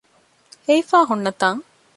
ހެވިފައި ހުންނަ ތަން